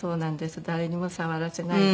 誰にも触らせないで。